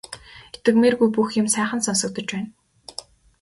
Итгэмээргүй бүх юм сайхан сонсогдож байна.